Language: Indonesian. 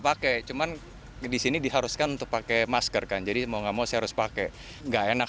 pakai cuman disini diharuskan untuk pakai masker kan jadi mau nggak mau saya harus pakai enggak enak